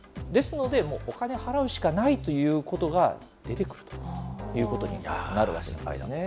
ですので、もう、お金払うしかないということが出てくるというこ心配だ。